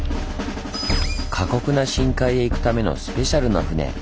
過酷な深海へ行くためのスペシャルな船。